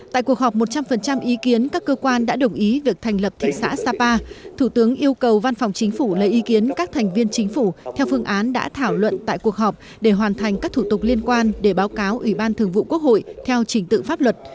tại cuộc họp một trăm linh ý kiến các cơ quan đã đồng ý việc thành lập thị xã sapa thủ tướng yêu cầu văn phòng chính phủ lấy ý kiến các thành viên chính phủ theo phương án đã thảo luận tại cuộc họp để hoàn thành các thủ tục liên quan để báo cáo ủy ban thường vụ quốc hội theo trình tự pháp luật